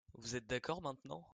Vous êtes d’accord maintenant ?